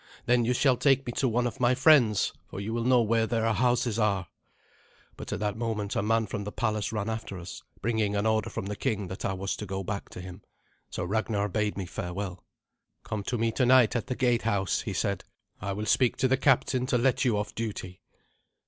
Then you shall take me to one of my friends, for you will know where their houses are." But at that moment a man from the palace ran after us, bringing an order from the king that I was to go back to him. So Ragnar bade me farewell. "Come to me tonight at the gatehouse," he said. "I will speak to the captain to let you off duty."